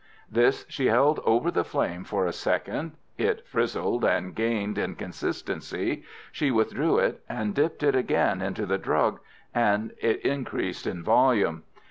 This she held over the flame for a second. It frizzled and gained in consistency; she withdrew it, and dipped it again into the drug, and it increased in volume.